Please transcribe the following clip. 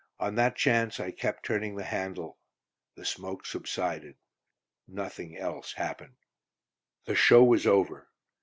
On that chance, I kept turning the handle. The smoke subsided; nothing else happened. The show was over.